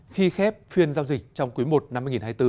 khi khép phiên giao dịch trong quý i năm hai nghìn hai mươi bốn